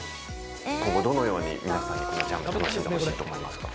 今後どのように皆さんにこのジャム、楽しんでほしいと思いますか？